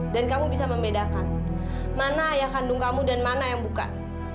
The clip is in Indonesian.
dan kamu bisa membedakan mana ayah kandung kamu dan mana yang bukan